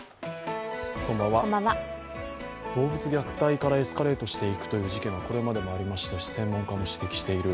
動物虐待からエスカレートしていくという事件はこれまでもありましたし専門家も指摘している。